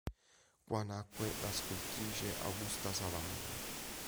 Qua nacque la scultrice Augusta Savage.